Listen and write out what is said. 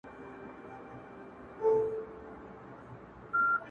ژوند خو د ميني په څېر ډېره خوشالي نه لري.